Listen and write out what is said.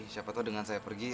siapa tahu dengan saya pergi